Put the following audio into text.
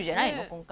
今回。